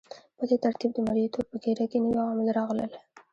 په دې ترتیب د مرئیتوب په ګیډه کې نوي عوامل راغلل.